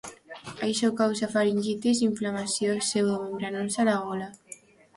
Això causa faringitis i inflamació pseudomembranosa a la gola.